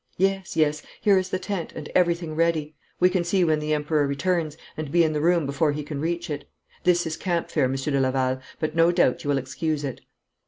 'Yes, yes; here is the tent, and everything ready. We can see when the Emperor returns, and be in the room before he can reach it. This is camp fare, Monsieur de Laval, but no doubt you will excuse it.'